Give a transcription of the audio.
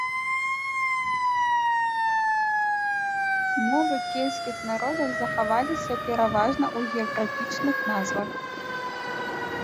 Мовы кельцкіх народаў захаваліся пераважна ў геаграфічных назвах.